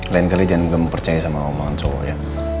lain kali jangan gak mempercaya sama omongan cowok ya